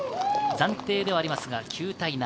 暫定ではありますが、９対７。